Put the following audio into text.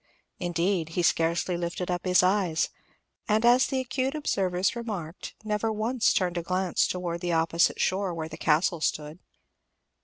Indeed, he scarcely lifted up his eyes, and, as the acute observers remarked, never once turned a glance towards the opposite shore, where the Castle stood.